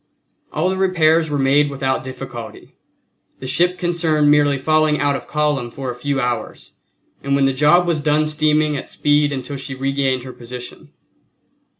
All the repairs were made without difficulty, the ship concerned merely falling out of column for a few hours, and when the job was done steaming at speed until she regained her position.